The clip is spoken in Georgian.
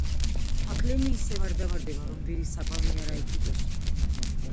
აქლემი ისე არ დავარდება, რომ ვირის საპალნე არ აიკიდოს.